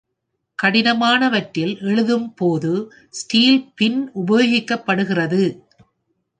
கடினமானவற்றில் எழுதும் போது ஸ்டீல் பின் உபயோகிக்கப்படுகிறது.